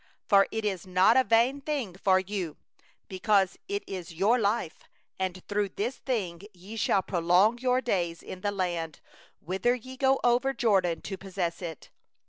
47For it is no vain thing for you; because it is your life, and through this thing ye shall prolong your days upon the land, whither ye go over the Jordan to possess it.